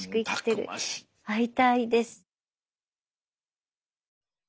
会いたいです。